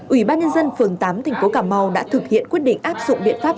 ủy ban nhân dân phường tám thành phố cà mau đã thực hiện quyết định áp dụng biện pháp